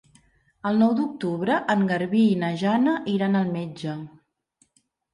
El nou d'octubre en Garbí i na Jana iran al metge.